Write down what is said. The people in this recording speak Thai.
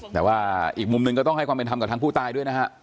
แต่ว่าอีกมุมหนึ่งก็ต้องให้ความเป็นธรรมกับทางผู้ตายด้วยนะฮะ